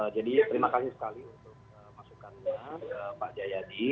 jadi terima kasih sekali untuk masukan pak ijayadi